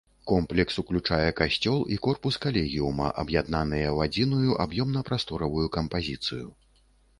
Комплекс уключае касцёл і корпус калегіума, аб'яднаныя ў адзіную аб'ёмна-прасторавую кампазіцыю.